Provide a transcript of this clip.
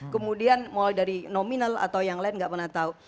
kemudian mulai dari nominal atau yang lain nggak pernah tahu